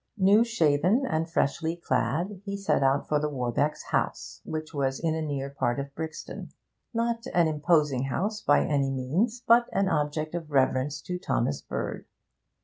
New shaven and freshly clad, he set out for the Warbecks' house, which was in a near part of Brixton. Not an imposing house by any means, but an object of reverence to Thomas Bird.